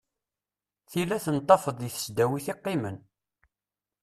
Tili ad ten-tafeḍ deg tesdawit i qqimen.